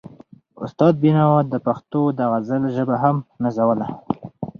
استاد بينوا د پښتو د غزل ژبه هم نازوله.